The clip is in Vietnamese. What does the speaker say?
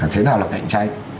thế nào là cạnh tranh